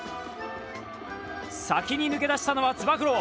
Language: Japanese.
先に抜け出したのは、つば九郎。